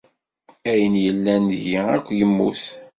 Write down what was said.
Ayen yellan deg-i akk yemmut.